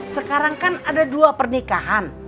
sekarang kan ada dua pernikahan